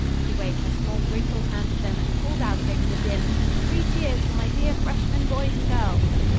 She waved her small, wrinkled hands at them and called out over the din: "Three cheers for my dear freshmen boys and girls!"